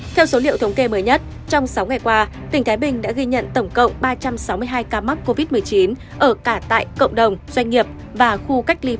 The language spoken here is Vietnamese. theo số liệu thống kê mới nhất trong sáu ngày qua tỉnh thái bình đã ghi nhận tổng cộng ba trăm sáu mươi hai ca mắc covid một mươi chín ở cả tại